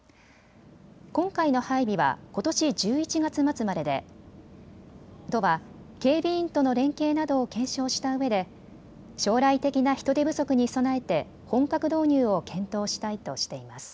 今回の配備はことし１１月末までで都は警備員との連携などを検証したうえで将来的な人手不足に備えて本格導入を検討したいとしています。